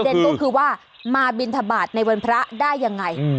ประเด็นตัวคือว่ามาบิณฑบาศในวันพระได้ยังไง